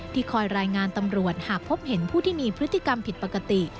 คอยรายงานตำรวจหากพบเห็นผู้ที่มีพฤติกรรมผิดปกติ